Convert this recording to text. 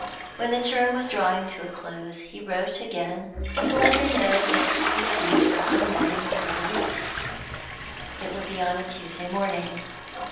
When the term was drawing to a close, he wrote again, to let her know that he would meet her on the morning of her release. It would be on a Tuesday morning.